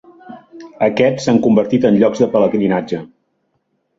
Aquests s'han convertit en llocs de pelegrinatge.